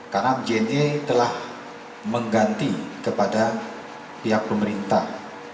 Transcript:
karena jne telah mengganti kepada pihak pemerintah